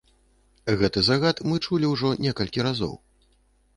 Гэты загад мы чулі ўжо некалькі разоў.